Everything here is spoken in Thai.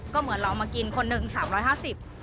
ก็เหมือนเรามากินคนหนึ่ง๓๕๐บาท